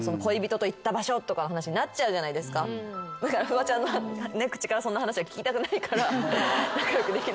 だからフワちゃんの口からそんな話は聞きたくないから仲良くできないけど。